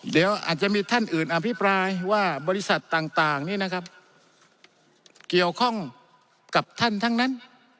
เดี๋ยวอาจจะมีท่านอื่นอภิปรายว่าบริษัทต่างนี้นะครับเกี่ยวข้องกับท่านทั้งนั้น